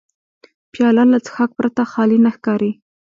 پیاله له څښاک پرته خالي نه ښکاري.